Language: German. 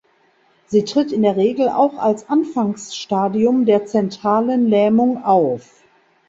Sie tritt in der Regel auch als Anfangsstadium der zentralen Lähmung auf.